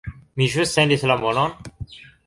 Mi ĵus sendis la monon